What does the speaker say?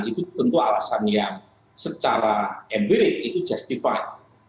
itu tentu alasan yang secara empirik itu justify